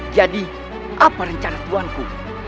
jadi apa rencana tuan ku